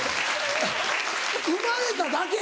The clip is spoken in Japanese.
生まれただけ？